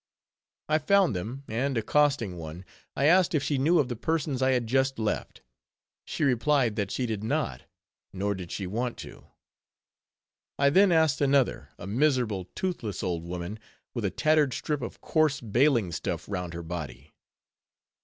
I found them; and accosting one, I asked if she knew of the persons I had just left. She replied, that she did not; nor did she want to. I then asked another, a miserable, toothless old woman, with a tattered strip of coarse baling stuff round her body.